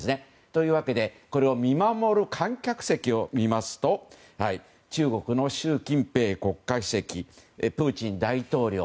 というわけでこれを見守る観客席を見ますと中国の習近平国家主席プーチン大統領